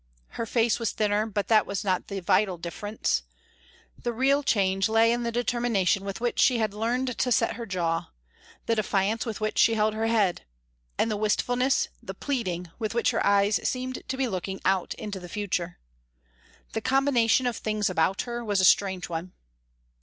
Her face was thinner, but that was not the vital difference. The real change lay in the determination with which she had learned to set her jaw, the defiance with which she held her head, and the wistfulness, the pleading, with which her eyes seemed to be looking out into the future. The combination of things about her was a strange one.